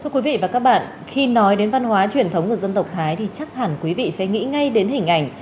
thưa quý vị và các bạn khi nói đến văn hóa truyền thống của dân tộc thái thì chắc hẳn quý vị sẽ nghĩ ngay đến hình ảnh